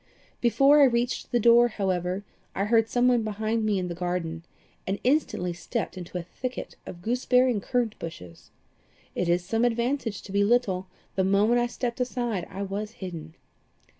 "Before I reached the door, however, I heard some one behind me in the garden, and instantly stepped into a thicket of gooseberry and currant bushes. It is sometimes an advantage to be little the moment I stepped aside I was hidden.